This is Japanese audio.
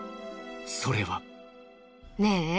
それは。ねぇ。